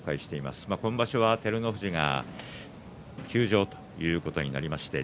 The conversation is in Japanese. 今場所は照ノ富士が休場ということになりました。